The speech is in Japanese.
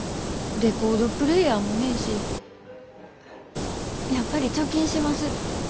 レコードプレーヤーもねえしやっぱり貯金します。